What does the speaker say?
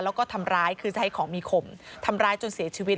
แล้วก็ทำร้ายคือจะให้ของมีข่มทำร้ายจนเสียชีวิต